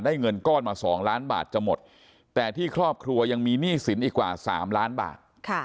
เงินก้อนมา๒ล้านบาทจะหมดแต่ที่ครอบครัวยังมีหนี้สินอีกกว่า๓ล้านบาท